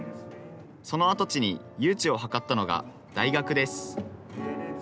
その跡地に誘致をはかったのが大学です。